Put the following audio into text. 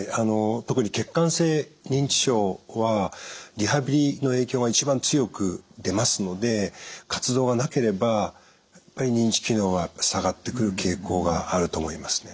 特に血管性認知症はリハビリの影響が一番強く出ますので活動がなければやっぱり認知機能が下がってくる傾向があると思いますね。